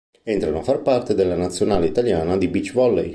Entrano a far parte della nazionale italiana di beach volley.